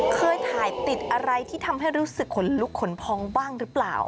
เคยถ่ายติดอะไรที่ทำให้รู้สึกขนลุกขนพองบ้างหรือเปล่า